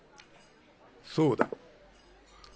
そうだ。